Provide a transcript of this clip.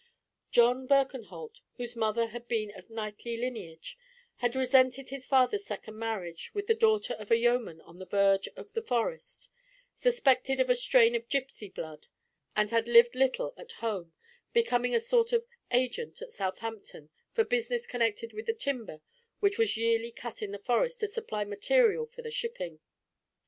John Birkenholt, whose mother had been of knightly lineage, had resented his father's second marriage with the daughter of a yeoman on the verge of the Forest, suspected of a strain of gipsy blood, and had lived little at home, becoming a sort of agent at Southampton for business connected with the timber which was yearly cut in the Forest to supply material for the shipping.